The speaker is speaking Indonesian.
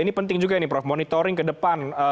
ini penting juga ini prof monitoring ke depan